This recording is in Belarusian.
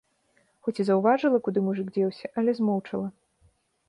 Хоць і заўважыла, куды мужык дзеўся, але змоўчала.